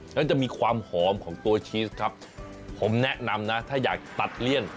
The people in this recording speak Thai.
แล้วจะมีความหอมของตัวชีสครับผมแนะนำนะถ้าอยากตัดเลี่ยน